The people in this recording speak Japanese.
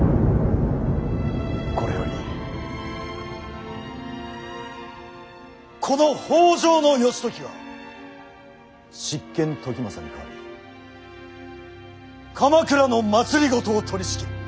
これよりこの北条義時が執権時政に代わり鎌倉の政を取りしきる。